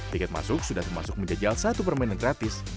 tiket masuk sudah termasuk menjajal satu permainan gratis